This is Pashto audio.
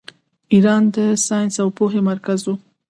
ایران د ساینس او پوهې مرکز و.